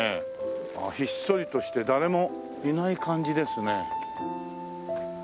ひっそりとして誰もいない感じですね。